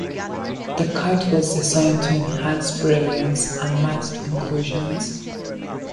The cut was designed to enhance brilliance and mask inclusions.